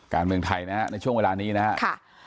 การเมืองไทยนะฮะในช่วงเวลานี้นะครับ